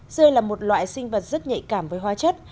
rơi là một loại sinh vật rất nhạy cảm với hóa chất